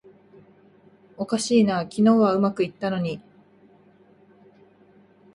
おかしいな、昨日はうまくいったのに